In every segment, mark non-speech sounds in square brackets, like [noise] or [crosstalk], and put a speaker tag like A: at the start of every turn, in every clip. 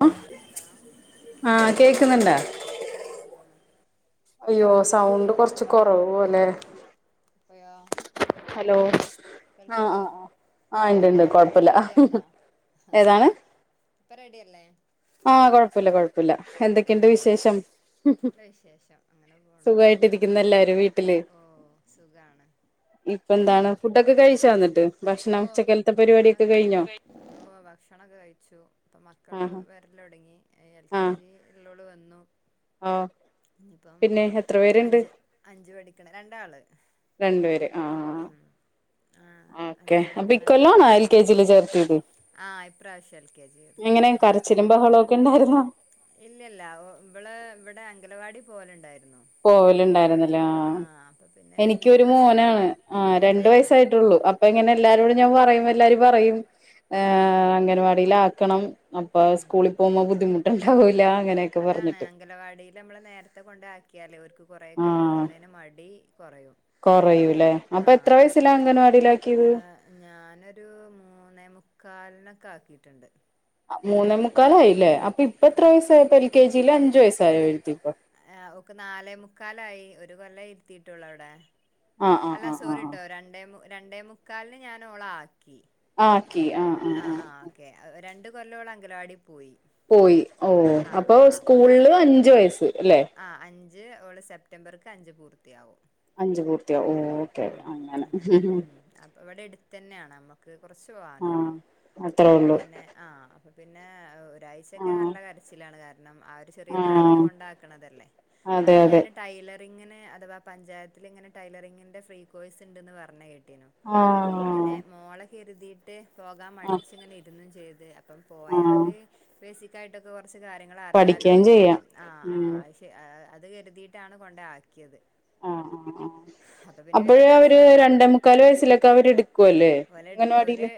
A: [unintelligible]
B: Hello
A: അഹ് കേക്ന്ന്ണ്ടോ
B: ആ കേൾക്കുന്നുണ്ട്
A: അയ്യോ സൗണ്ട് കൊറച്ച് കൊറവ് പോലെ
B: കേൾക്കണ്ടാ
A: ഹലോ ആഹ് ആഹ് ആഹ് ആഹ് ഇണ്ടിണ്ട്
B: ഇപ്പ
A: കൊഴപ്പില്ല ഏതാണ്
B: ഇപ്പൊ റെഡിയല്ലേ
A: ആ കൊഴപ്പില്ല കൊഴപ്പില്ല എന്തൊക്കെണ്ട്
B: ആഹ്
A: വിശേഷം
B: നല്ല വിശേഷം അങ്ങനെ പോണു
A: സുഖായിട്ടിരിക്കുന്നു എല്ലാരും
B: ഓ സുഖാണ്
A: ഇപ്പൊന്താണ് ഫുഡൊക്കെ കഴിച്ചന്നിട്ട്
B: ഓ
A: ബഷ്ണം ഉച്ചക്കൽത്തെ പരിപാടിയൊക്കെ കയിഞ്ഞോ
B: ഭക്ഷണോക്കെ കഴിച്ചു അപ്പം മക്കൾ വരല് തൊടങ്ങി എൽ കെ
A: ആഹ്
B: ജിള്ളോള് വന്നു
A: ആഹ്
B: ഇനിയിപ്പം
A: പിന്നെ എത്ര പേരുണ്ട്
B: അഞ്ച് അഞ്ചു പഠിക്കണ രണ്ടാള്
A: രണ്ടുപേര്
B: ഉം ആഹ്
A: ഓക്കെ
B: അഞ്ച്
A: അപ്പൊ
B: പഠിക്കണണ്ട്
A: ഇക്കൊല്ലണോ
B: ഇനി
A: എൽ കെ ജിയില് ചേർത്തിത്
B: ആഹ് ഇപ്രാവശ്യം എൽ കെ ജി
A: എങ്ങനെ
B: ചേർത്തിയത്
A: കരച്ചിലും ബഹളൊക്കിണ്ടാരുന്നോ
B: ഇല്ലല്ല ഇവള് ഇവിടെ അംഗലവാടി പോവലുണ്ട
A: പോവലുണ്ടായിരുന്നില്ലേ ആഹ്‌
B: അപ്പൊ പിന്നെ വല്യ
A: എനിക്കൊരു
B: പ്രശ്നല്ല
A: മോനാണ് ആഹ് രണ്ടു
B: ഏഹ് ആയി
A: വയസയിട്ടുള്ളൂ അപ്പൊ ഇങ്ങനെ എല്ലാരോട് ഞാൻ പറെ ല്ലാര് പറയും
B: ആഹ്
A: അംഗനവാടിലാക്കണം അപ്പ
B: ഉം
A: സ്കൂളിൽ പോമ്പോ ബുദ്ധിമു ഉണ്ടാവൂല
B: അതാണ് അംഗനവാടീല് നമ്മള് നേരത്തെ കൊണ്ടാക്കിയാല് കൊറെക്കെ
A: ആഹ്
B: പോകണേന് മടി കൊറയും
A: കൊറയൂല്ലേ അപ്പൊ എത്ര
B: ആഹ് മറ്റ്
A: വയസ്സിലാ
B: ഏഹ്
A: [unintelligible]
B: ഞാനൊരു മൂന്നേമുക്കാലിനൊക്കെ ആക്കിട്ടുണ്ട്
A: മൂന്നേ മുക്കാലായില്ലേ അ പ്പൊ ഇപ്പ എത്ര വയസായി
B: ആഹ്
A: പ്പ ൽ കേ ജില്ല അഞ്ചു വയസായോ എഴുത്തിപ്പൊ
B: ആഹ് ഓക്ക് നാലേ മുക്കാലായി ഒരു കൊല്ല ഇരുത്തീട്ടൊള്ളവിടെ
A: ആഹ് ആഹ്
B: അല്ല
A: ആഹ് ആഹ് ആഹ്
B: സോറിട്ടോ രണ്ടേ രണ്ടേ മുക്കാലിന് ഞാൻ ഒള ആക്കി
A: ക്കി ആഹ് ആഹ്‌ ആഹ്
B: കൊല്ലോള് അങ്കലാടി പോയി
A: പോയി ഓ
B: ആഹ്
A: അപ്പൊ
B: ആഹ്
A: സ്കൂളില്
B: കറക്റ്റ്
A: അഞ്ചു വയസ്സ് അല്ലെ
B: ആഹ് അഞ്ച് ഓള് സെപ്റ്റംബർക്ക് അഞ്ച് പൂർത്തിയാവും
A: അഞ്ച് പൂർത്തിയ ഓ ഓക്കെ
B: ഉം അങ്ങനെ ഉം അപ്പൊ ഇവിടെ എടുത്തന്നെയാണ് അപ്പൊ റച്
A: ആഹ്
B: പോവാനൊള്ളു
A: അത്രേ
B: അപ്പോ
A: ഉള്ളൂ
B: പിന്നെ ആഹാ അപ്പൊ പിന്നെ ഒരാഴ്ചൊക്കെ
A: ആഹ്
B: നല്ല കരച്ചിലാണ് കാരണ ആ ഒരു ചെറിയ പ്രായത്തിൽ
A: ആഹ്
B: കൊണ്ട് ആക്കണല്ലേ
A: അതെ
B: അന്ന്
A: അതെ
B: ഞാൻ ടൈ ലറിങ്ന് അഥവാ പഞ്ചായത്തിലിങ്ങെനെ ടൈലറിങ്ങിന്റെ ഫ്രീ കോഴ്സ് ഉണ്ടന്ന് പറഞ്ഞ കേട്ടു
A: ആഹ്
B: കരിതിട്ട് പോകാൻ
A: ആഹ്
B: മടിച്ങ്ങനെ ഇരുന്നും ചെയ്ത് അപ്പം
A: ആഹ്
B: പോയാല് ബേസിക്കാട്ടൊക്കെ കൊ [unintelligible] റച്ച് കാര്യങ്ങൾ
A: പഠിക്കുകയും
B: അറിയാലോന്ന് കരുതി
A: ചെയ്യാം
B: ആഹ് ആഹ്
A: ഉം
B: അയ്ഷേ [unintelligible] അത് കര്തീറ്റാണ് കൊണ്ടക്യത്
A: അഹ് അഹ് അഹ്
B: വല്യ
A: അപ്പോഴ് അവര്
B: പ്രശ്നല്ല രണ്ടേ
A: രണ്ടെമുക്കാല്
B: മുക്കാല്
A: വയസിലെക്കെ അവര്
B: വയസ്സിലൊക്കെ
A: എടുക്കുവല്ലേ അങ്ങൻവാടില്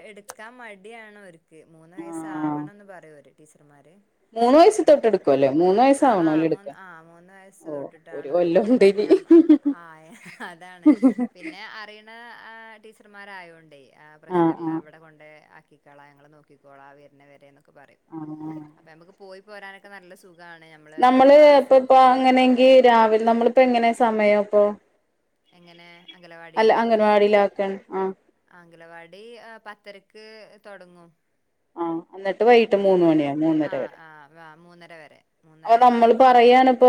B: ടിയാണവര്ക്ക് മൂന്ന് വയസ്സാവണന്ന് പറയൊര് ടീച്ചർമാര്
A: മൂന്ന്
B: അപ്പൊ
A: വയസ്
B: ഞാൻ
A: തൊട്ട് എടുക്കുവല്ലേ മൂന്ന്
B: ആ ആ മൂന്ന്
A: വയസ്സാവണോല്ലെടുക്കാൻ
B: ആ മൂന്ന് വയസ്സ്
A: ഓഹ് ഒരു
B: തൊട്ടിട്ടാണ് ഓര്
A: കൊല്ലം
B: എടുക്കല് അപ്പൊ
A: ഉണ്ടെന്നി
B: ഞാൻ ആഹ് അതാണ് പിന്നെ അറിയണ ആഹ്‌ ടീച്ചറ്മാരായൊണ്ടേ ആഹ്‌
A: ആഹ്
B: പ്രശ്നല്ല
A: ആഹ്
B: അവടെ കൊണ്ട ണ്ടാക്കിക്കോളാം ഞങ്ങള് നോക്കിക്കോളാം വര്ണാ വരെ ന്നൊക്കെ പറയും
A: ആഹ്
B: അപ്പോ ഞമക്ക് പോയി പ്പോരാനൊക്കെ നല്ല സു
A: നമ്മള് ഇപ്പ ഇപ്പ അങ്ങനെയെങ്കി രാവിലെ നമ്മളിപ്പോ എങ്ങനെയാ സമയം അപ്പോ
B: എങ്ങനെ അംഗലവാടിണ്ടാതോ
A: അംഗൻവാടിയിലാക്കാണ് ആഹ്
B: അംഗലവാടി ഏഹ് പത്തര ക്ക് തൊടങ്ങും
A: ആഹ് എന്നിട്ട് വൈകിട്ട്
B: ഉം
A: മൂന്ന് മണിയാ മൂന്നര
B: ആഹ്
A: വരെ
B: ആഹ് ആഹ് മൂന്നര വരെ
A: അപ്പോ
B: മൂന്നരക്ക്
A: നമ്മള്
B: കൃ
A: പറയാണ് ഇപ്പോ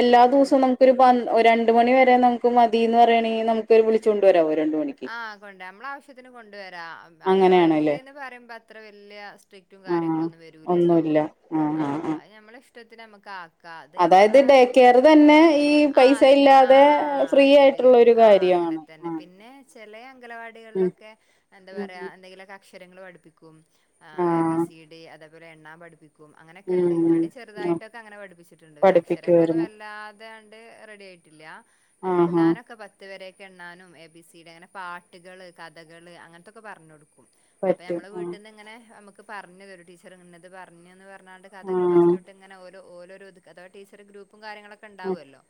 A: എല്ലാ
B: ഉം
A: ദിവസോം നമുക്കൊരു പന്ത് ര ണ്ട് മണി വരെ നമുക്ക് മതിന്ന് പറയാണെങ്കി നമുക്ക് വിളിച്ചോണ്ട് വരാവോ രണ്ട് മണിക്ക്
B: ആഹ് കൊണ്ടവരാം നമ്മള ആവശ്യത്തിന് കൊണ്ടുവരാം
A: അങ്ങനെയാണല്ലേ
B: അംഗലവാടിൽന്ന് പറയുമ്പോ അത്ര വല്യ സ്ട്രിക്റ്റും
A: ആഹ്
B: കാര്യങ്ങളൊന്നും വരൂല്ലല്ലോ ആഹ് അത് ഞമ്മളെ ഇഷ്ടത്തിന് നമക്ക് ആ
A: അതായത് ഡേ കെയർ തന്നെ ഈ
B: ആഹ്
A: പൈസ
B: അതന്നെ
A: ഇല്ലാതെ
B: ആഹ്
A: ഫ്രീ
B: ആഹ് ശരി ശരി
A: ആയിട്ടുള്ളൊരു
B: ആഹ്
A: കാര്യം
B: അങ്ങനെ തന്നെ പിന്നെ ചെല
A: ഉം
B: അംഗലവാടികളിലൊക്കെ എന്താ
A: ഉം
B: പറയാ
A: ഉം
B: എന്തെങ്കിലൊക്കെ അക്ഷരങ്ങള് പഠിപ്പിക്കും ആഹ് എ ബി സി ഡി അതേപോലെ എണ്ണാ പഠിപ്പി ക്കും അങ്ങനൊക്കെ ഇണ്ട്
A: ഉം
B: ഇവടേം
A: ഉം
B: ചെറതായിട്ടൊക്കെ അങ്ങനെ പഠിപ്പിച്ചിട്ടുണ്ട് ഇവനക്ഷരങ്ങളൊന്നും
A: പഠിപ്പിക്കുവായിരുന്നു
B: വല്ലാ താണ്ട് റെഡി ആയിട്ടില്ല
A: ആഹ് ആഹ്
B: എണാനൊക്കെ പത്ത് വരക്കെ എണ്ണാനും എ ബി സി ടിടേ അങ്ങനെ പാട്ടുകള് കഥകള് അങ്ങനത്തൊക്കെ പറണ് കൊടുക്കും അപ്പോ
A: പറ്റും
B: ഞമ്മളെ
A: ആഹ്
B: വീട്ടിന്നങ്ങനെ നമു ക്ക് പറഞ്ഞ് തരും ടീച്ചറ് ഇന്നത് പറഞ്ഞുന്ന് പറഞ്ഞണ്ട് കഥകൾ
A: ആഹ്
B: ഫസ്റ്റ് തൊട്ട് ഓല് ഓലോ രോ കഥ ടീച്ചറ് ഗ്രൂപ്പും കാര്യങ്ങളോക്കെ ഒണ്ടവല്ലോ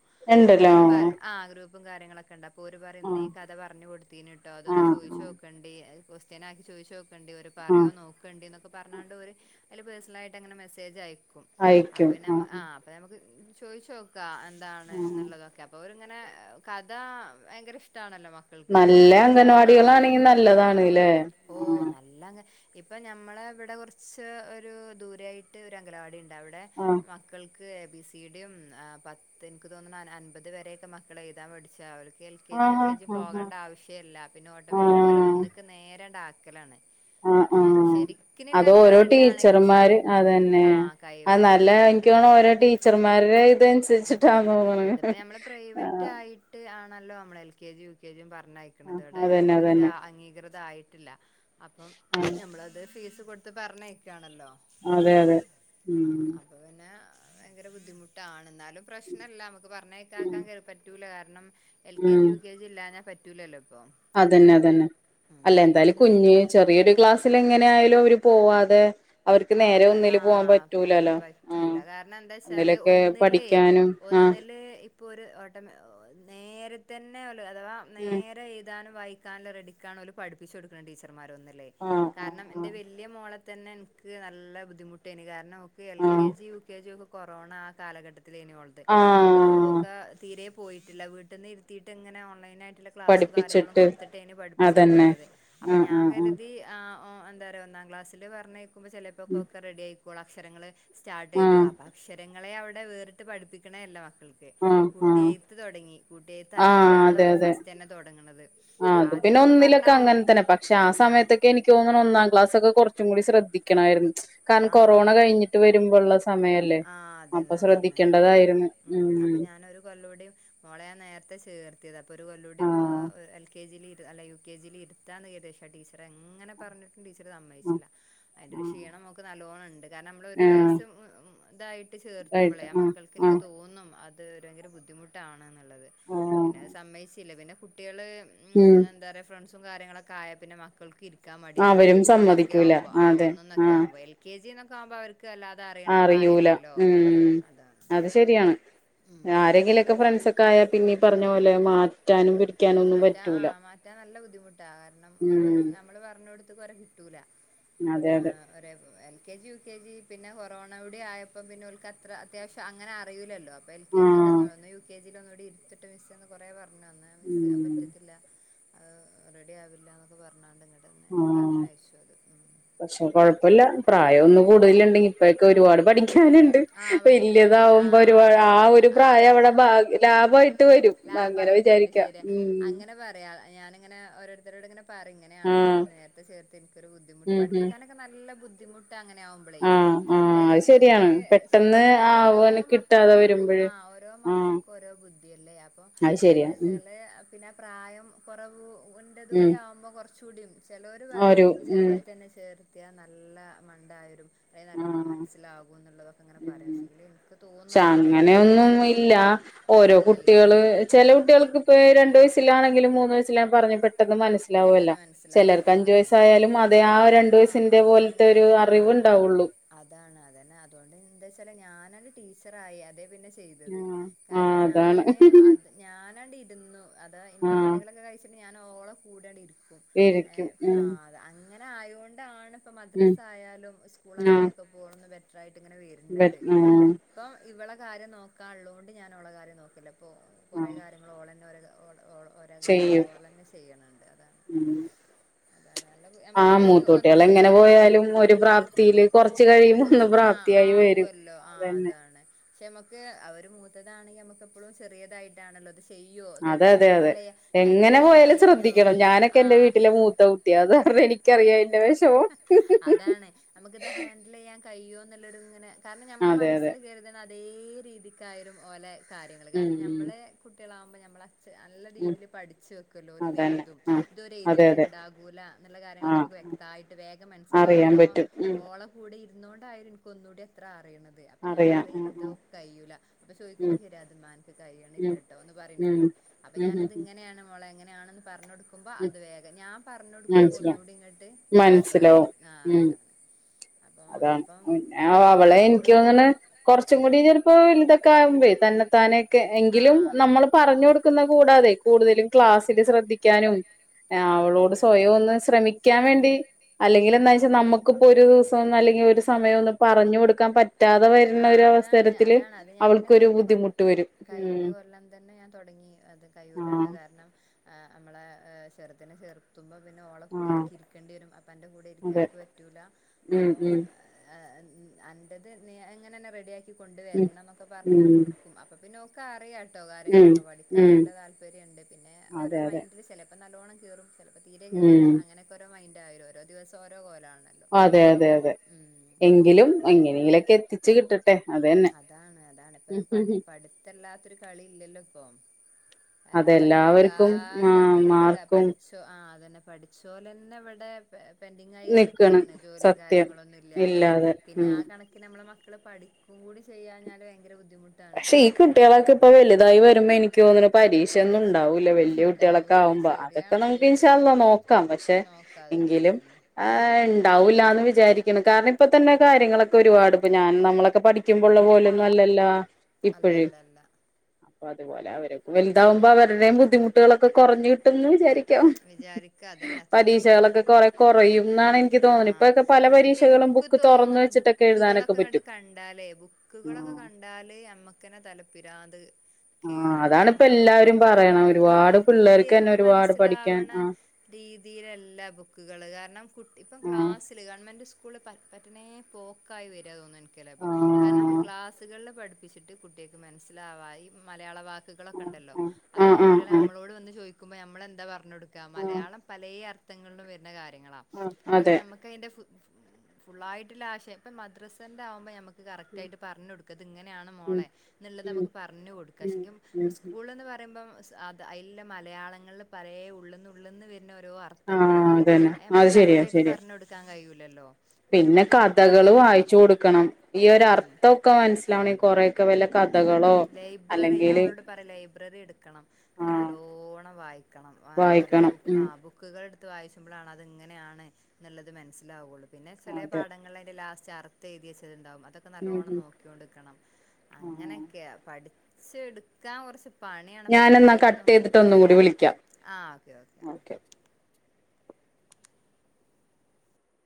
B: അപ്പോ
A: ഉണ്ടല്ലോ
B: ഒരു ആഹ്‌ ഗ്രു പ്പും കാര്യങ്ങളൊക്കെ ഇണ്ട് അപ്പോ ഓര് പറയും ഇന്ന്
A: ആഹ്
B: ഈ കഥ പറഞ്ഞു കൊടുത്തീന്ട്ടോ അതൊന്ന്
A: ആഹ്
B: ചോയിച്ചു
A: ആഹ്
B: നോക്കണ്ടേ കോസ്റ്റ്യനാക്കി ചോയിച്ച് നോക്കണ്ടേ ഒരു
A: ആഹ്
B: പറയോ നോക്കണ്ടേ എ ക്കേ പറഞ്ഞാണ്ട് ഓര് അതില് പേഴസണലായിട്ട് അങ്ങനെ മെസ്സേജ് അയക്കും അപ്പ പിന്നെ ആഹ് അപ്പ നമുക്ക് ചോയിച്ചു നോക്കാ എന്താണ്
A: ആഹ്
B: എന്നുള്ളതൊക്കെ അപ്പോ ഓര് ഇങ്ങനെ കഥ ഭയങ്കര ഇഷ്ടണല്ലോ മ
A: നല്ല അംഗൻവാടികളാണെങ്കി നല്ലതാണ്ല്ലേ
B: ഓ
A: ആഹ്.
B: നല്ല അംഗ ഇപ്പൊ ഞമ്മള ഇവ്ടെ കൊർച്ച് ഒരു ദൂരായിട്ട് ഒരു അംഗലവാടിണ്ട്. അവ്ടെ മക്കൾ ക്ക് എ ബി സി ഡിം പത്ത് ഇൻക്ക് തോന്നുന്നു അൻപത് വരെയൊക്കെ മക്കള് എഴ്താൻ പഠിച്ച എൽ കെ ജി യു
A: ആഹ്
B: കെ ജി
A: ആഹ് ആഹ്
B: പോകേണ്ട ആവശ്യല്ല. പിന്നെ ഓട്ടോമാറ്റിക്ക് ഓരേ
A: ആഹ്
B: ഒന്ന്ക്ക് നേരെണ്ട് ആ ക്കലാണ്.
A: ആഹ് ആഹ് അതോ ഓരോ
B: അംഗനവാടി ആണെങ്കിൽ ഉഷാർ
A: ടീച്ചർമാര് അതന്നെ.
B: ആ
A: അത്
B: കഴിവാണ്
A: നല്ല
B: ശരിയാണ്
A: ഇൻക്കോണ് ണു ഓരോ ടീച്ചർമാരെ
B: ആഹ്
A: ഇതൻസര്ച്ചിട്ടാ തോന്നണ ആഹ്.
B: നല്ലോ അമ്മള് എൽ കെ ജിം യു കെ ജിം പറഞ്ഞയക്ക്ണത്.
A: ആഹ്
B: ഓടെ
A: അതന്നെ
B: ഗവൺമെന്റ്
A: അതന്നെ
B: അംഗീകൃത ആയിട്ടില്ല. അപ്പം
A: ആഹ്
B: നമ്മളത് ഫീസ് കൊട്ത്ത് പറഞ്ഞയക്കാണല്ലോ.
A: അതെ അതെ
B: ആഹ്
A: ഉം.
B: അപ്പൊ പിന്നെ ഭയങ്കര ബുദ്ധിമുട്ടാണ്. ന്നാലും പ്രശ്നല്ല. അമ്മക്ക് പറഞ്ഞേക്കാ
A: ഉം
B: ത്ക്കാൻ പറ്റൂല കാരണം എൽ കെ ജി
A: ഉം
B: യു കെ ജി ഇല്ലാന്നാ പറ്റൂലല്ലോ. ഇപ്പൊ
A: അതന്നെ അതന്നെ
B: ഉം
A: അല്ല
B: പിന്നെ
A: എന്തായാലും
B: ഒന്നില്
A: കുഞ്ഞ് ചെറിയൊരു ക്ലാസ്സില് എങ്ങനെ ആയാലും അവര് പോവാ അതെ അവർക്ക്
B: ആഹ്
A: നേരെ
B: പ
A: ഒന്നില് പോകാൻ
B: ആഹ്
A: പറ്റൂലല്ലോ ആ
B: പറ്റൂല കാരണം
A: ഒന്നിലൊക്കെ പഠിക്കാനും ആ
B: ഒന്നിൽ ഇപ്പോ ഒരു നേരെ തന്നെ അഥവാ
A: ഉം
B: നേരെ എഴുതാനും വായിക്കാല്ല റെഡിക്കാണല പഠിപ്പിച്ചു കൊടുക്കണം ടീച്ചർമാർ ഒന്നല്ലേ
A: ആഹ് ആഹ്
B: കാരണം എന്റെ വലിയ മോള തന്നെ എനിക്ക് നല്ല ബുദ്ധിമുട്ടായിരുന്നു കാരണം നമുക്ക് എൽ
A: ആഹ്
B: K G U K G ഒക്കെ കൊറോണ ആ കാലഘട്ടത്തിൽ തിലെനു ഒള്ളത്
A: ആഹ്
B: അപ്പോൊ
A: ആഹ്
B: ഒക്കെ തീരെ പോയിട്ടില്ല വീട്ടിൽന്ന് ഇരുത്തിയിട്ട് ഇങ്ങനെ ഓൺലൈനായി റ്റ്ള്ള ക്ലാസും കാര്യങ്ങളും
A: പഠിപ്പിച്ചിട്ട്
B: കൊടുത്തിട്ടെ അയിന് പഠിപ്പിച്ച
A: അതന്നെ
B: എടുത്തിരത് അപ്പൊ
A: ആഹ്
B: ഞാൻ
A: ആഹ് ആഹ്
B: അ ഓ എന്താപറയാ ഒന്നാം ക്ലാസില് പറഞ്ഞയക്കുമ്പോ ചിലപ്പോൊ ഒക്ക റെഡി ആയിക്കോള്ളൂ അക്ഷരങ്ങള് സ്റ്റാർട്ട്
A: ആഹ്
B: ചെയ്തോളൂ അപ്പൊ അക്ഷരങ്ങളെ അവിടെ വേറിട്ട് പഠിപ്പിക്കണേ എല്ല
A: ആഹ് ആഹ്
B: കൂട്ടി
A: ആഹ്
B: എഴത്ത് തുടങ്ങി കൂട്ടി എഴുത്തകിട്ടാൻ
A: അതെ
B: ഓര്
A: അതെ
B: ഫസ്റ്റ് തന്നെ തുടങ്ങണത്
A: ആ അത്
B: ആദ്യം
A: പിന്നെ
B: എന്നൊക്കെ
A: ഒന്നിലൊക്കെ
B: പറഞ്ഞാവോ
A: അങ്ങനെ തന്നെ പക്ഷെ ആ സമയത്തൊക്കെ എനിക്ക് തോന്നുന്നു ഒന്നാം ക്ലാസ് കുറച്ചും കൂടി ശ്രദ്ധിക്കണമായിരുന്നു കാരണം
B: ആ
A: കൊറോണ കഴിഞ്ഞിട്ട് വരുബുള്ള സമയല്ലേ
B: ആ
A: അപ്പൊ
B: അതന്നെ അതന്നെ
A: ശ്രദ്ധിക്കേണ്ടതായിരുന്നു
B: ഉം അപ്പൊ ഞാനൊരു കൊല്ല കൂടി മോളെ ഞാൻ നേരത്തെ ചേർത്തിയത ഇപ്പൾ ഒരു
A: ആ
B: കൊല്ലോടയും ഒരു എൽ കെ ജിയിൽ ഇ അല്ലങ്കിൽ യു കെ ജിയി ഇരുത്താണ് എകദേശം ടീച്ചറെ എങ്ങനെ പറഞ്ഞു ടീച്ചറ്
A: ആ
B: സമ്മയിച്ചില്ല അതിൻ്റെ
A: ആ
B: ഒരു ക്ഷീണം നമുക്ക് നല്ലവോണം ഉണ്ട് കാരണം നമ്മളൊ ഒരു
A: ആ
B: വയസ്സ് ഇതായിട്ട് ചേർത്തുമ്പോളെ
A: റൈറ്റ്
B: ആ മക്കൾക്ക്
A: ആ
B: എനിക്ക് തോന്നും അ അത് ഭയങ്കര ബുദ്ധിമുട്ടാണ് എന്നുള്ളത്
A: ആ
B: പിന്നെത് സമ്മയിച്ചില്ല പിന്നെ കുട്ടികൾ ഉം എന്താ പറയാ ഫ്രണ്ട്സും കാര്യങ്ങളൊക്കെ ആയാ പിന്നെ മക്കൾക്ക് ഇരി ഠിക്കാൻ മടിയായി
A: അവരും
B: ഒന്നൊക്കെ
A: സമ്മതിക്കൂല
B: ആവുമ്പോ ആ
A: അതെ ആ
B: ഒന്നൊക്കെ ആുമ്പോൾ എൽ കെ ജി എന്നൊക്കെ ആുമ്പോ അവർ ക്ക് അല്ലാതെ അറിയണ
A: അറിയൂല
B: പ്രായല്ലല്ലോ
A: ഉം അത് ശരിയാണ്
B: ഉം
A: ആരെങ്കിലക്കെ ഫ്രണ്ട്സ് ഒക്കെ ആയാ പിന്നീ പറഞ്ഞ പോലെ മാറ്റാനും പ
B: മാറ്റാ ആഹ് മാറ്റാൻ നല്ല ബുദ്ധിമുട്ടാ കാരണം ഒരു
A: ഉം
B: നമ്മള് പറഞ് കൊടുത്ത കുരെ കിട്ടൂല
A: അതെ അതെ
B: L K G U K G പിന്നെ കൊറോണ കൂടെ ആയപ്പം പിന്നെ ഓർക്ക് അത്ര അത്യാവിശ്യം അങ്ങനെ അറിയില്ലോ അപ്പ എൽ കെ
A: ആഹ്
B: ജിയിൽന്നു യു കെ ജിൽ ഒന്നൂടി ഇത്തിട്ട് മിസ്സിന് കൊറ പറഞ്ഞഞ് തന്നാ മിസ്
A: ഉം
B: പറ്റത്തില്ല ഇഹ് റെഡി ആവില്ല പറഞ്ഞാ തന്നെ
A: ആഹ്
B: പറഞ്ഞയച്ചു അത് ഉം
A: പക്ഷെ കുഴപ്പുല പ്രായം ഒന്നും കൂടുതല് ഇണ്ടെങ്കി ഇപ്പഴൊക്കെ ഒരുപാട് പഠിക്കാനുണ്ട്
B: ആ
A: വലയതാ
B: പഠിക്കാണ്ട് ആ
A: ബോ ആ
B: അതാണ്
A: ഒരു
B: അതാണ് ആ
A: പ്രായം അവിടെ ഭ
B: അതാ
A: ലാഭമായിട്ട് വരും അങ്ങനെ
B: ലാഭായിട്ട് വരും
A: വിചാരിക്കാം
B: ശരിയാ
A: ഉം
B: അങ്ങനെ പറയാ ഞാനിങ്ങനെ ഓരോരുത്തരോട് ഇങ്ങനെ പാർ ഇങ്ങനെയാണ് ഇപ്പോൾ
A: ആഹ്
B: നേത്തെ ചേർത്ത് എനിക്കരു ബുദ്ധിമുട്ട
A: ഉം ഉം
B: പഠിപ്പിക്കാനക്കെ നല്ല ബുദ്ധിമുട്ടാ അങ്ങനെ ആവുമ്പോളേ
A: ആഹ് ആഹ് അത് ശരിയാണ്
B: വേഗങ്ങട്ട്
A: പെട്ടെന്ന്
B: ഓരോ ഓരോ
A: ആവാൻ കിട്ടാതെ
B: മക്കൾക്കും
A: വരുമ്പഴ്
B: ആ ഓരോ
A: ആഹ്
B: മക്കൾക്കും ഓരോ ബുദ്ധില്ലേ അപ്പൊ
A: അത് ശരിയാ ഉം
B: എന്താവച്ചാല് പിന്നെ പ്രായം കുറവ് ഉള്ളത്
A: ഉം
B: കൂടി ആകുമ്പോൾ കുറചൂ കൂടി ചിലവർ പറയും
A: ഒരു ഉം
B: ചെറുപ്പത്തിന്നെ ചേർത്തിയാ നല്ല മണ്ടായരും അത്ര നലോണം
A: ആഹ്
B: മനസ്സിലാവും എന്നുള്ളതൊക്കെങ്ങനെ പറയാം
A: ഉം
B: പക്ഷെങ്കിൽ എനിക്
A: പക്ഷെ അങ്ങനെയൊന്നും ഇല്ല ഓരോ
B: ഇല്ല ഇല്ല
A: കുട്ടികള് ചെല കുട്ടികൾക്ക് ഇപ്പ രണ്ട് വയസിലാണെങ്കും മൂന്ന് വയസിലാ പറഞ് മനസിലാവലാ
B: പെട്ടെന്ന് മനസ്സിലാകും ആ
A: ചിലർക്ക്
B: അതന്നെ
A: അയായാലും അത ആ രണ്ട്
B: അതോ
A: വയസുപോലത്ത
B: അതൻ
A: അറി
B: ആ
A: ഉണ്ടാവുള്ളൂ
B: അതാണ് അതന്നെ അതുകൊണ്ട് എന്താ വെച്ചാ ഞാൻ ടീച്ചറായി അതേ പിന്നെ ചെയ്തത്
A: ആഹ്
B: കാരണം
A: ആഹ് അതാണ്
B: ഞാൻ അത് ഞാനണ്ടി നിന്നു അതാ എന്റെ
A: ആഹ്
B: പണികളൊക്കെ കഴിച്ചിട്ട് ഞാൻ ഓളെ കൂടെങ്ങട് ഇരിക്കും
A: ഇരിക്കും
B: ഏഹ്
A: ഉം
B: അങ്ങനെ ആയൊണ്ടാണ് ഇപ്പോ
A: ഉം
B: മദ്രസ്സ ആയാലും
A: ആഹ്
B: സ്കൂളയാലുംഓക്കെ പോണത് ബെറ്റർ ആയി ഇങ്ങനെ വരുന്നത്
A: ആഹ്
B: ഇപ്പം ഇവളെ കാര്യം നോക്കാ ഉള്ളോണ്ട് ഞാനൻ ഓളെ കാര്യം നോക്കല്ല അപ്പോൾ കുറേ
A: ആഹ്
B: കാര്യങ്ങളൾ ഓൾ തന്നെ ഒരോ ഓ ഒരോ കാര്യങ്ങളോ ഓൾ തന്നെ ചെയ്യണുണ്ട്
A: ഹ്മ്മ്
B: അല്ല
A: ആ
B: നമുക്ക് ഈ
A: മൂത്തൂട്ടികൾ
B: ഒന്ന്
A: എങ്ങനെ
B: രണ്ട്
A: പോയാലും ഒരു പ്രാപ്തിയിയില് കുറച്ച കഴിയുമ്പ ഒന്ന് പ്രാപ്തിയായി വരും
B: ആ
A: അതന്നെ
B: അതാണ് പക്ഷെ നമുക്ക് അവര് മൂത്തതാണെങ്കി നമ്മക്ക് എപ്പോളും ചെറിയതായിട്ടാണല്ലോ ചെയ്യോ
A: അതെ
B: അതൊര്ക്ക്
A: അതെ അതെ
B: ഹാൻഡിൽ ചെയ്യ ഹാൻഡിൽ
A: എങ്ങനെ
B: ചെയ്യാൻ
A: പോയാലും
B: കഴിയൊ
A: ശ്രദ്ധിക്കണം ഞാനൊക്കെ എന്റെ വീട്ടില് മൂത്ത കുട്ടി അത് കാരണം എനിക്കറിയാം അയിന്റെ വിഷമം
B: കയ്യോ എന്നുള്ളത് ഇങ്ങനെ കാരണം ഞമ്മുടെ
A: അതെ അതെ
B: മനസ്സിൽ കയരുതുന്നത് അതേ രീതിക്കായിലും ഓലെ കാര്യങ്ങള്
A: ഉം
B: കാരണം ഞാമ്മള് കുട്ടികളാകുമ്പോൾ നമ്മൾ- നല്ല
A: ഉം ഉം
B: രീതില് പഠിച്ച് വെക്കുല്ലോ ഒലിത്
A: അതന്നെ
B: ഏഴ്തും
A: ആ
B: ഇതോര്
A: അതെ അതെ
B: യേഴുതിട്ടുണ്ടാകൂല്ല എന്നിള്ള കാര്യങ്ങൾ -
A: ആ
B: വ്യക്തായിട്ട് വേഗം മനസ്സില
A: അറിയാൻ
B: കാരണം
A: പറ്റും ഉം
B: ഓള കൂടെ ഇരുന്നുകൊണ്ടായഇരിക്കും ഒന്നുകൂടി ഇത്ര -
A: ആ
B: ഞാൻ പറയ ഇതോ കയുല അപ്പൊ ചോയ്ക്കുമ്പോ
A: ഉം
B: ശരി അതുമ്മനക്ക്
A: ഉം
B: കഴിയണില്ലട്ടോ ഒന്ന്
A: ഉം
B: പറയുന്നോടെ- അപ്പ
A: ഉം ഉം
B: ഞാനത്
A: ഉം
B: ഇങ്ങനെയാണ് മോളെ പറഞ്ഞ്
A: ഉം
B: കൊടുക്കുബോഅത് വേഗ ഞാൻ പറഞ്ഞ് കൊടുക്കുമ്പോ
A: മനസ്സിലാവും
B: ഒന്നൂടി എന്നിട്ട്
A: മനസ്സിലാവും
B: മനസ്സിലാകും ആ
A: ഉം
B: അതാണ് അപ്പം
A: അതാണ്
B: അപ്പം
A: അവളെ
B: ഗവൺമെന്റ്
A: എനിക്ക്
B: സ്കൂളിലൊക്കെ
A: തോണ് കൊറച്ചും
B: ഉം
A: കൂടി ചിലപ്പോല വലതാക്കെ ആകുബാഴേ തന്നെ തന്നെതന്നേക്ക് എങ്കിലും
B: ആഹ്
A: നമ്മള് പറഞ്ഞ് കൊടുക്കുന്ന കൂടാതെ കൂടുതലും ക്ലാസ്സില് ശ്രദ്ധിക്കാനും അവളോട് സ്വയം
B: ഏഹ്
A: ഒന്ന് ശ്രമിക്കാൻ വേണ്ടി അല്ലെങ്കിൽ എന്താന്ന് വെച്ചാൽ നമ്മുക്കിപ്പോ ഒരു ദു- സം അല്ലെങ്കി ഒരു സമയം ഒന്നും പറഞ്ഞു കൊടുക്കാൻ പറ്റാതെ വരുന്ന
B: ആഹ് അതാണ്
A: അവസരത്തിൽ
B: അതാണ് അത് ഞാൻ പിന്നെ
A: അവൾക്ക്ഒരു
B: കഴിഞ്ഞ കഴിഞ്ഞ കൊല്ലം തന്നെ ഞാൻ തുടങ്ങി അത്
A: ആഹ്
B: കയ്യുല്ലട്ടോ കാരണം ആ നമ്മളെ ചെറുതിനെ ചേർത്തുമ്പോ- പിന്നെ ഓള കൂടെ
A: ആഹ്
B: എനിക്ക് ഇരിക്കേണ്ടി വരും അപ്പന്റെ കൂടെ
A: അതെ
B: ഇരിക്കാനക്ക് പറ്റൂല
A: ഉം
B: അപ്പൊ-
A: ഉം
B: ഉം എന്റത് എങ്ങനെ തന്നെ റെഡിയാക്കി
A: ഉം
B: കൊണ്ടുവരണം എന്നൊക്കെ പറഞ്ഞങ്ങനെ
A: ഉം
B: കൊടുക്കും അപ്പൊ പിന്നെ ഓൻ - ക്ക അറിയാ കേട്ടോ
A: ഉം
B: കാര്യങ്ങളൊക്കെ പഠിക്കണം
A: ഉം
B: നല്ല താല്പര്യണ്ട് പിന്നെ
A: അതെ
B: ഓരോ
A: അതെ
B: മൈൻഡില് ചിലപ്പോ- നല്ലോണം കീറും ചിലപ്പോൾ തീരെ കേരൂല
A: ഉം
B: അങ്ങനൊക്കെ രോ മൈൻ് ആലും ഓരോ ദിവസം ഓലാണ്
A: അതെ അതെ അതെ എങ്കിലും
B: അതാണ്
A: എങ്ങനെയെങ്കിലൊക്കെ എത്തിച്ച് കിട്ടട്ടെ അതന്നെ
B: അതാണ് അതാണ് ഇപ്പൊ പഠി പഠിത്തല്ലാത്തൊരു കളി ഇല്ലല്ലോ ഇപ്പൊ കാരണം
A: അതെല്ലാവർക്കും മാ
B: പഠിക്കാതെ നിന്നിട്ട്
A: മാർക്കും
B: പഠിച്ചോ ആ അതന്നെ പഠിച്ച പോലെ തന്നെ ഇവിടെ പെൻഡിങ്ങ് ആയി
A: നിക്കാണ്
B: എടക്കുകയാണ് ജോലിയും
A: സത്യം
B: കാര്യങ്ങളോന്നും ഇല്ലാതെ പിന്നെ ആ കണക്കിന് നമ്മാള മക്കള് പഠി- ക്കു കൂടി ചെയ്യാഞ്ഞാല് ഭയങ്കര ബുദ്ധ-
A: പക്ഷെ ഈ കുട്ടികളൊക്കെ ഇപ്പൊ വലുതായി വരുമ്പോ എനിക്ക് തോണ് പരീക്ഷയൊന്നും- ണ്ടാവൂല വല്യയ കുട്ടികളൊക്കെ
B: ഉണ്ടാവൂല
A: ആകുമ്പോ അതൊക്കെ
B: ശരിയാണത്
A: നമുക്ക്
B: ശരിയാണ്
A: ഇൻഷാഹള്ളനോക്കാം പക്ഷെ
B: നോക്കാതന്നെ
A: എങ്കിലും
B: അതന്നെ
A: ആ
B: ഉം
A: ഉണ്ടാവില്ല എന്ന് വിചാരിക്കണം കാരണം ഇപ്പൊ തന്നെ കാര്യങ്ങളൊക്കെ ഒരുപാട് ഇപ്പോ ഞാൻ നമ്മളൊക്കെ പഠിക്കുമ്പോ ഉള്ള പോലൊന്നും അല്ലല്ല
B: അല്ല അല്ല അല്ല
A: അപ്പൊ അതുപോലെ അവര് വലുതാകുബോൾ അവരുടെയും ബുദ്ധിമുട്ടുകളൊക്കെ കുറഞ്ഞ് കിട്ടുന്ന് വിചാരി- ക്കാം
B: വിചാരിക്ക അതന്നെ അത്ര തന്നെ
A: പരീക്ഷകളൊക്കെ കൊറെ കുറയും എന്നാണ് എനിക്ക് തോന്നുന്നത് ഇപ്പൊക്കെ പല പരീക്ഷകളും
B: ബുക്ക്
A: തുറന്ന്
B: തോന്ന
A: വെച്ചിട്ടൊക്കെ എഴുതാനൊക്കെ
B: ബുക്കുകളൊക്കെ
A: പറ്റും
B: കണ്ടാലേ ബുക്കുകളൊക്കെ കണ്ടാല് നമുക്കന്നെ തലപ്രാന്ത്
A: ആ അതാണിപ്പ എല്ലാവാരും പറയണം ഒരുപാട് പിള്ളേർക്ക് തന്നെ ഒരുപാട് പഠിക്കാൻ
B: സിലാവണ
A: ആ
B: രീതിയിലല്ല ബുക്കുകള് കാരണം കുട്ടി ഇപ്പം
A: ആ
B: ക്ലാസ്സിലെ ഗവൺമെന്റ് സ്കൂ പറ്റേ പോക്കായി വരെയാ തോന്നു എനിക്കല്ലേ അപ്പ
A: ആ
B: കാരണം ക്ലാസുകളിലെ പഠി- പ്പിച്ചിട്ട് കുട്ടികൾക്ക് മനസ്സിലാവായി മലയാള വാക്കുകളൊക്കെ ഉണ്ടല്ലോ
A: ആ
B: അതൊക്കെ കുട്ടികളെ
A: ആ
B: നമ്മളോട് വന്ന് ചോദിക്ക ൾ ഞമ്മളെന്താ പറഞ്ഞ് കൊടുക്കുക
A: ആ
B: മലയാളം പലയ അർത്ഥങ്ങളിലും വരുന്ന കാര്യം ങ്ങള
A: ആ
B: അപ്പ
A: അതെ
B: ഞാമ്മാക്ക അയിന്റെ ഫായിട്ടുള്ള ആശയം ഇപ്പ മദ്രസന്റ ആവുമ്പോ- കറക്റ്റ് ആയിട്ട് പറഞ്ഞു കൊടുക്കത് ഇങ്ങനെയാണ്
A: ഉം
B: മോളെ എന്നുള്ളത്
A: ഉം
B: നമുക്ക് പറഞ്ഞു കൊടുക്ക ശെ
A: ഉം ഉം
B: സ്കൂളന്ന് പറയുമ്പം അത് അല്ല മലയാളങ്ങളിൽ പരെ ഉള്ളിന്ന് ഉള്ളിന്ന് വേ- ന്നെ രോ
A: ആ
B: അർത്ഥങ്ങൾ ഉണ്ടാവും
A: അതന്നെ
B: അ നമുക്ക്
A: അത്
B: കറക്റ്റ്
A: ശരിയാ
B: ആയിട്ട്
A: ശരിയാ
B: പറഞ്ഞ് കൊടുക്കാൻ കഴിയൂല്ലല്ലോ
A: പിന്നെ കഥകള് വായിച്ചു കൊടുക്കണം ഈ
B: ഉം
A: ഒരുരർത്ഥൊക്കെ മനസ്സിലാവണെ കൊറെക്കെ വല്ല- കഥകളോ
B: ലൈബ്രറി ഞാൻ
A: അല്ലെങ്കില്
B: ഓള്ളോടി പറയാ ലൈബ്രറി എടുക്കണം അന്നിട്ട്
A: ആഹ്
B: നല്ലോണം വായിക്കണം ആ ഓരോ
A: വായിക്കണം
B: ബുക്ക് ആ
A: ഉം
B: ബുക്കുകൾ ടുത്ത് വായിച്ചുമ്പോഴ അത് എങ്ങനെയാണ്നുള്ളത് മനസ്സിലാവുള്ളൂ പിന്നെ ചില
A: അതെ
B: പാഠങ്ങലെ അന്റെ ലാസ്റ്റ് അർത്ഥം എഴുതി വെച്ചതുണ്ടാാവും അതൊക്കെ
A: ഉം
B: നല്ലവോണം
A: ഉം
B: നോക്കിക്കോണ്ട് നിക്കണം അങ്ങനെ
A: ആഹ്
B: പഠിച്ച് എടുക്കാൻ കുറച്ച് പണിയാണ്പ്പത്തെ
A: ഞാനെന്നാ കട്ട്
B: കുട്യോക്കൊന്നും
A: ചെയ്തിട്ട് ഒന്നും കൂടി വിളിക്കാം
B: ആ ഓക്കെ ഓക്കെ